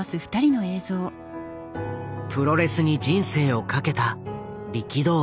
プロレスに人生を懸けた力道山。